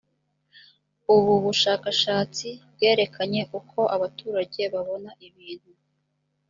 ubu bushakashatsi bwerekanye uko abaturage babona ibintu